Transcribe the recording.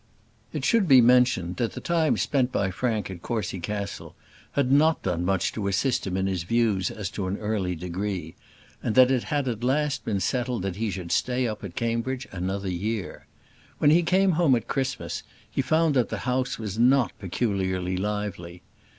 It should be mentioned, that the time spent by Frank at Courcy Castle had not done much to assist him in his views as to an early degree, and that it had at last been settled that he should stay up at Cambridge another year. When he came home at Christmas he found that the house was not peculiarly lively.